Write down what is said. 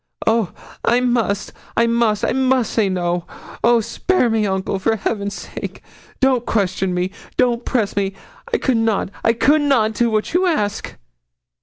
'Oh! I must I must I must say no. Oh! spare me, uncle, for Heaven's sake. Don't question me don't press me. I could not I could not do what you ask.'